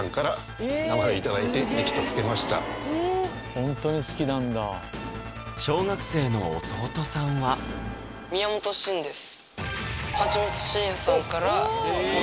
ホントに好きなんだ小学生の弟さんは宮本真です